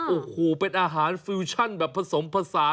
โอ้โหเป็นอาหารฟิวชั่นแบบผสมภาษา